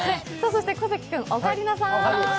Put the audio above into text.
そして小関君、おかえりなさい。